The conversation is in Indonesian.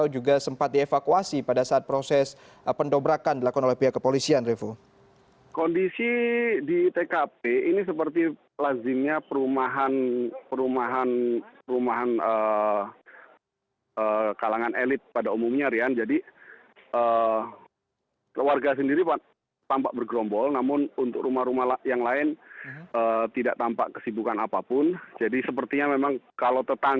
jalan bukit hijau sembilan rt sembilan rw tiga belas pondok indah jakarta selatan